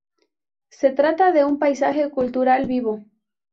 Se trata de un paisaje cultural vivo.